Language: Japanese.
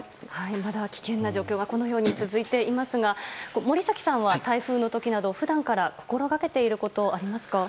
まだ危険な状況が続いていますが森崎さんは台風の時など普段から心がけていることはありますか？